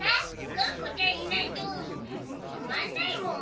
がんこちゃんいないとつまんないもん。